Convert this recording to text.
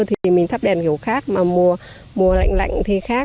thì mình thắp đèn kiểu khác mà mùa lạnh lạnh thì khác